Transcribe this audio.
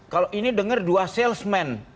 kalau ini denger dua salesman